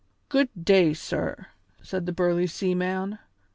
"Good day, sir!" said that burly seaman.